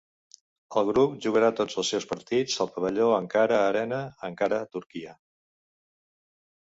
El grup jugarà tots els seus partits al pavelló Ankara Arena, Ankara, Turquia.